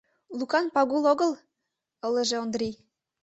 — Лукан Пагул огыл? — ылыже Ондрий.